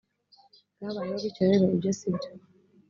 bwabayeho bityo rero ibyo si byo